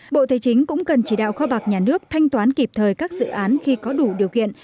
bộ thế chính cũng cần chỉ đạo kho bạc nhà nước thanh toán kịp thời các dự án khi có đủ điều kiện